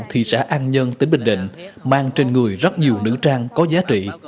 thị xã an nhân tỉnh bình định mang trên người rất nhiều nữ trang có giá trị